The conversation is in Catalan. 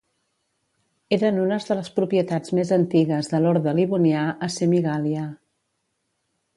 Eren unes de les propietats més antigues de l'Orde Livonià a Semigàlia.